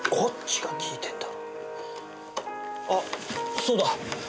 あっそうだ。